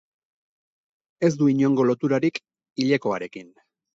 Ez du inongo loturarik hilekoarekin.